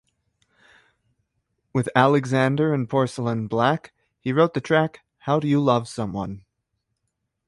With Alexander and Porcelain Black, he wrote the track How Do You Love Someone?